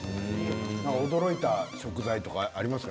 驚いた食材はありますか？